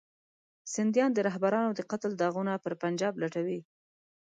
سندیان د رهبرانو د قتل داغونه پر پنجاب لټوي.